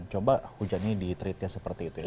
coba hujannya di treatnya seperti itu ya